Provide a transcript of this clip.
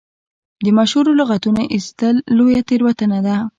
د مشهورو لغتونو ایستل لویه تېروتنه ده.